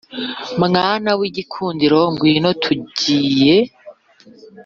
mwana w'igikundiro ngwino tugiye.